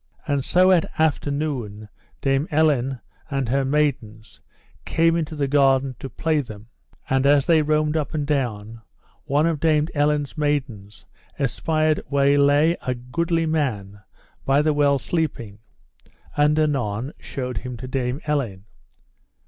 And so at after noon Dame Elaine and her maidens came into the garden to play them; and as they roamed up and down one of Dame Elaine's maidens espied where lay a goodly man by the well sleeping, and anon showed him to Dame Elaine.